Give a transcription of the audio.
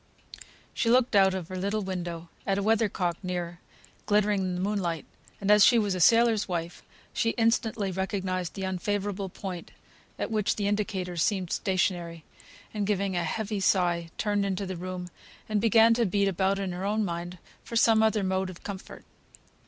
She looked out of their little window at a weather cock, near, glittering in the moonlight; and as she was a sailor's wife, she instantly recognised the unfavourable point at which the indicator seemed stationary, and giving a heavy sigh, turned into the room, and began to beat about in her own mind for some other mode of comfort.